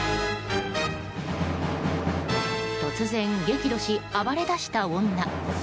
突然激怒し、暴れだした女。